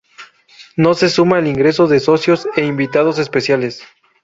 No se suma el ingreso de socios e invitados especiales.